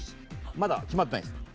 まだ決まってないです。